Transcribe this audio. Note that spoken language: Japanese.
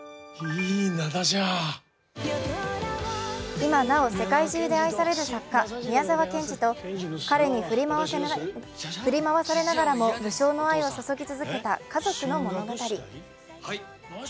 今なお世界中で愛される作家・宮沢賢治と彼に振り回されながらも無償の愛を注ぎ続けた家族の物語。